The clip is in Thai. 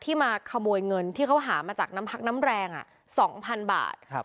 มาขโมยเงินที่เขาหามาจากน้ำพักน้ำแรง๒๐๐๐บาท